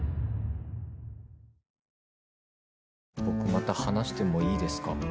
僕また話してもいいですか？